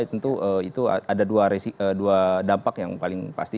tentu itu ada dua dampak yang paling pasti